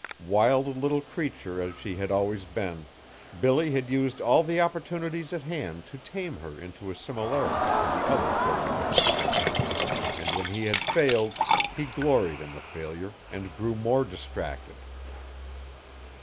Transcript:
Wild little creature as she had always been, Billy had used all the opportunities at hand to tame her into a similarity to the other children of the Station; and when he had failed, he gloried in the failure, and grew more distracted.